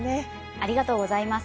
ありがとうございます！